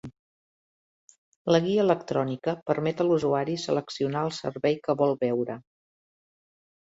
La guia electrònica permet a l'usuari seleccionar el servei que vol veure.